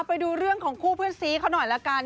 ไปดูเรื่องของคู่เพื่อนซีเขาหน่อยละกัน